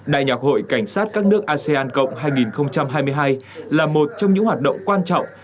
đại nhạc hội cảnh sát các nước asean cộng hai nghìn hai mươi hai là một trong những hoạt động quan trọng